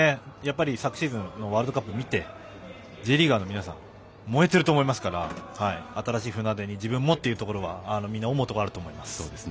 昨シーズンワールドカップを見てＪリーガーの皆さん燃えていると思いますから新しい船出に自分もというところはみんな思うところはあると思います。